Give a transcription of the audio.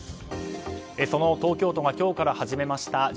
その東京都が今日から始めました